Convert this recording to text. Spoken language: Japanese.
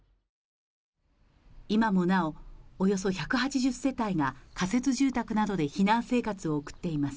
今もなお、およそ１８０世帯が仮設住宅などで避難生活を送っています